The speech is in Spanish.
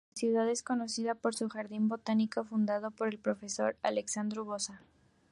La ciudad es conocida por su jardín botánico, fundado por el profesor Alexandru Boza.